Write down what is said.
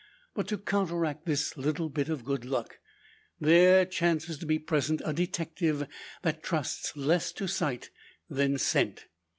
But to counteract this little bit of good luck there chances to be present a detective that trusts less to sight, than scent.